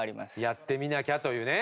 やってみなきゃというね。